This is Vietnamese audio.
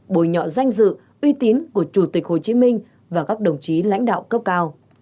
bồi nhọ danh dự uy tín của chủ tịch hồ chí minh và các đồng chí lãnh đạo cấp cao